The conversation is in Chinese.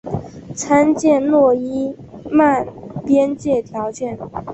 参见诺伊曼边界条件。